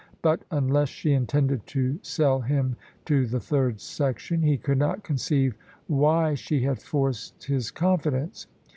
But unless she intended to sell him to the Third Section, he could not conceive why she had forced his confidence.